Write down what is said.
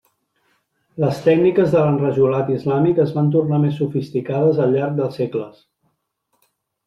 Les tècniques de l'enrajolat islàmic es van tornar més sofisticades al llarg dels segles.